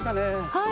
はい。